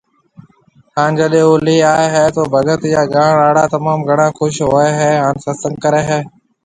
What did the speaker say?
ھان جڏي او لي آئي ھيَََ تو ڀگت يا گاڻ آڙا تموم گھڻا خوش ھوئي ھان ست سنگ ڪري ھيَََ